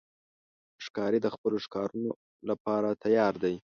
ښکاري د خپلو ښکارونو لپاره تیار دی.